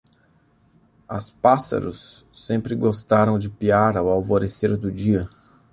as pássaros sempre gostaram de piar ao alvorecer do dia